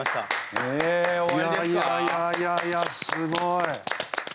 いやいやすごい。